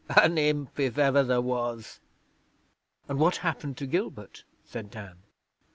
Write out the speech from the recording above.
An imp, if ever there was!' 'And what happened to Gilbert?' said Dan.